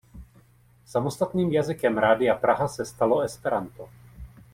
Samostatným jazykem Radia Praha se stalo esperanto.